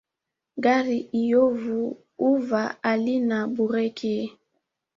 Gari iyovu huva halina bureki